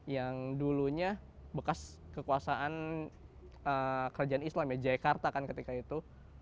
yang dulunya bekas kekuasaan kerajaan islam ya jakarta kan ketika itu